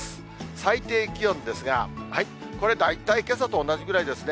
最低気温ですが、これ、大体、けさと同じぐらいですね。